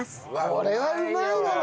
これはうまいだろ！